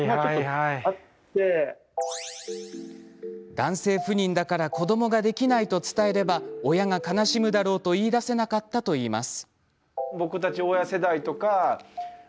男性不妊だから子どもができないと言うと、親が悲しむだろうと言いだせなかったといいます。